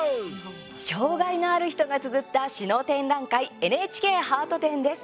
障害のある人がつづった詩の展覧会、ＮＨＫハート展です。